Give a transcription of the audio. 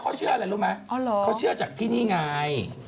เขาเชื่ออะไรรู้ไหมเขาเชื่อจากที่นี่ไง